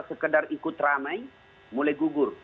sekedar ikut ramai mulai gugur